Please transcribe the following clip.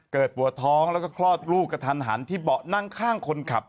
ปวดท้องแล้วก็คลอดลูกกระทันหันที่เบาะนั่งข้างคนขับ